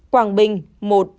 một quảng bình